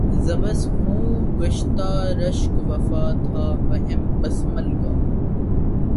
ز بس خوں گشتۂ رشک وفا تھا وہم بسمل کا